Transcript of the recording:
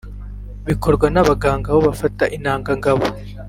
bikorwa n’abaganga aho bafata intanga ngabo